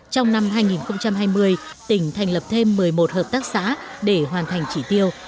trong năm hai nghìn hai mươi tỉnh thành lập thêm một mươi một hợp tác xã để hoàn thành chỉ tiêu